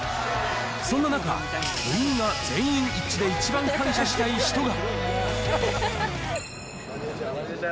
そんな中、部員が全員一致でイチバン感謝したい人が。